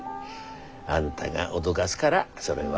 あんだが脅かすがらそれは。